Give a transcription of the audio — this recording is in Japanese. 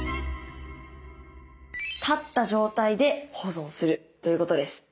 立った状態で保存するということです。